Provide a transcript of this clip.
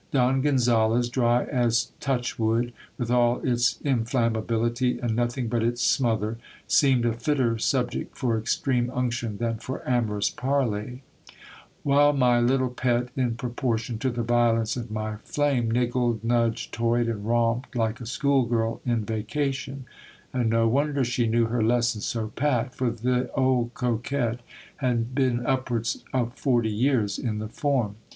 Don Gonzales, dry as touchwood, with all its inflammability, and nothing but its smother, seemed a fitter sub ject for extreme unction than for amorous parley ; while my little pet, in proportion to the violence of my flame, niggled, nudged, toyed, and romped, like a school girl in vacation ; and no wonder she knew her lesson so pat, for the old coquette had been upwards of forty years in the form.